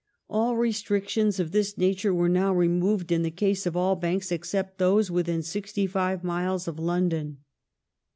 All restrictions of this nature were now removed in the case of all banks, except those within sixty five miles of London.